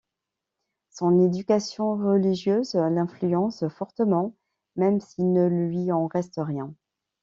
Son éducation religieuse l'influence fortement, même s'il ne lui en reste rien.